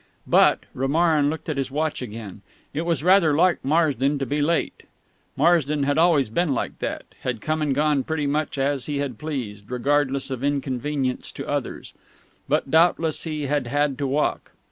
But Romarin looked at his watch again it was rather like Marsden to be late. Marsden had always been like that had come and gone pretty much as he had pleased, regardless of inconvenience to others. But, doubtless, he had had to walk.